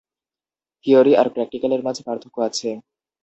Theory আর প্র্যাকটিক্যালের মাঝে পার্থক্য আছে।